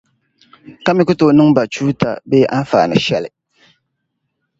ka mi ku tooi niŋ ba chuuta bee anfaani shεli?